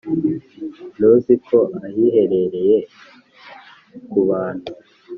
ntuzi ko ahiherereye ku bantu